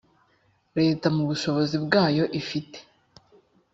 leta mu bushobozi bwayo ifite